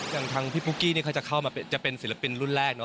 อย่างทางพี่ปุ๊กกี้นี่เขาจะเข้ามาจะเป็นศิลปินรุ่นแรกเนาะ